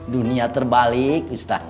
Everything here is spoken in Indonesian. dunia terbalik ustaz